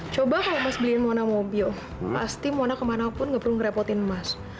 coba kalau mas beliin mona mobil pasti mona kemana pun nggak perlu ngerepotin mas